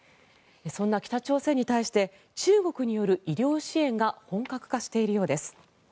そんな北朝鮮に対して中国による医療支援が本格化しているようです。